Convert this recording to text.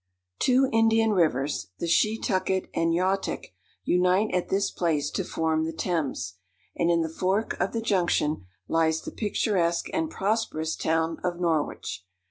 Two Indian rivers, the Shetucket and Yautick, unite at this place to form the Thames, and in the fork of the junction lies the picturesque and prosperous town of Norwich.